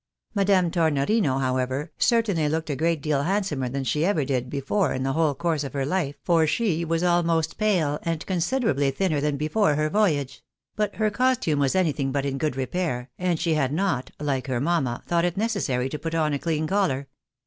Madame Tornorino, however, certainly looked a great deal handsomer than she ever did before in the whole course of her life, for she was almost pale, and considerably thinner than before her voyage ; but her costume was anything but in good repair, and she had not, Uke her mamma, thought it necessary to put on a clean collar.